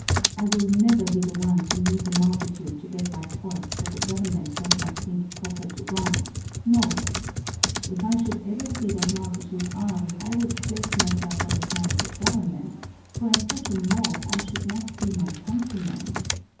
I will never be the one to lead the multitude to get by force what the government does not think proper to grant, no! If I should ever see that multitude armed I would place myself on the side of the government, for in such a mob I should not see my countrymen.